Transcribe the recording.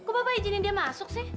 kok bapak izinin dia masuk sih